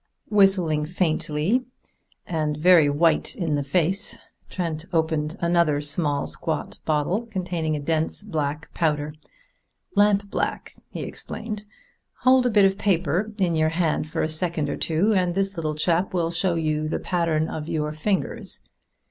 Whistling faintly, and very white in the face, Trent opened another small squat bottle containing a dense black powder. "Lamp black," he explained. "Hold a bit of paper in your hand for a second or two, and this little chap will show you the pattern of your fingers."